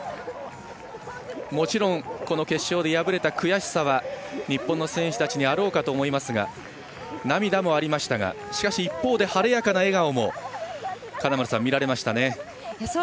もちろん決勝で敗れた悔しさは日本の選手たちにあろうかと思いますが涙もありましたが、しかし一方で晴れやかな笑顔も金村さん、見られましたね。